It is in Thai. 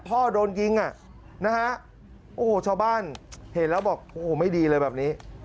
พ่อโดนยิงชาวบ้านเห็นแล้วบอกไม่ดีเลยแบบนี้